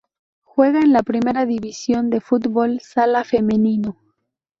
Juega en la Primera División de fútbol sala femenino.